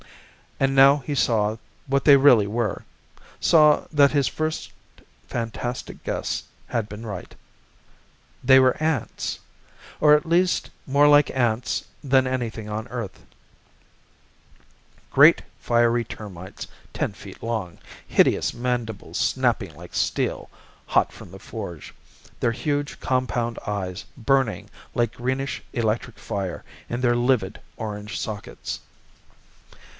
And now he saw what they really were; saw that his first, fantastic guess had been right. They were ants or at least more like ants than anything on earth great fiery termites ten feet long, hideous mandibles snapping like steel, hot from the forge, their huge compound eyes burning like greenish electric fire in their livid orange sockets.